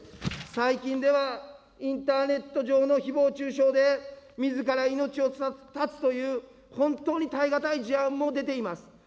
最近では、インターネット上のひぼう中傷でみずから命を絶つという本当に耐え難い事案も出ています。